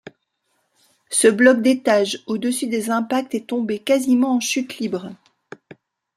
Ce bloc d’étages au-dessus des impacts est tombé quasiment en chute libre.